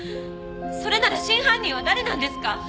それなら真犯人は誰なんですか？